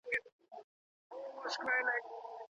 پښتو ګرامر ساده نه دی.